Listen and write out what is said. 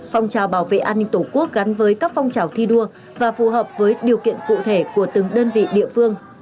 phong trào bảo vệ an ninh tổ quốc gắn với các phong trào thi đua và phù hợp với điều kiện cụ thể của từng đơn vị địa phương